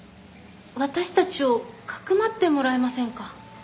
私たちをかくまってもらえませんか？